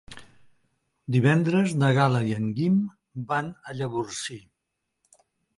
Divendres na Gal·la i en Guim van a Llavorsí.